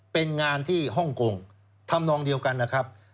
เป็นงานที่ฮ่องกงทำนองเดียวกันนะครับ